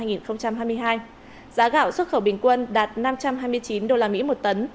giá gạo xuất khẩu bình quân đạt năm trăm hai mươi chín usd một tấn